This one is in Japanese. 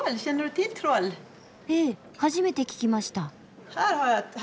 ええ初めて聞きました。